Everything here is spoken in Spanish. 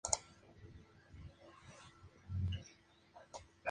A causa de esto, el desempleo aumentó considerablemente.